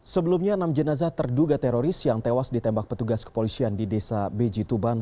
sebelumnya enam jenazah terduga teroris yang tewas ditembak petugas kepolisian di desa beji tuban